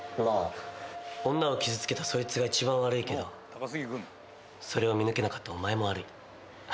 まあ女を傷つけたそいつが一番悪いけどそれを見抜けなかったお前も悪い。